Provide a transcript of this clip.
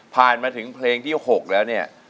มาถึงเพลงที่๖แล้วเนี่ย